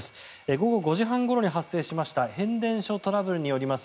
午後５時半ごろに発生しました変電所トラブルによります